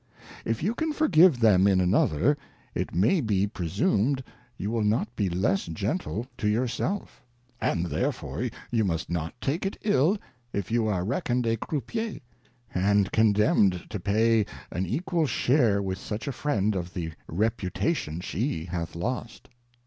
If you can forgive them in another, it may be presumed you will not be less gentle to your self ; and therefore you must not take it ill, if you are reckoned a Croupier e, and condemned to pay an equal Share with such a Friend of the Reputation she hath lost.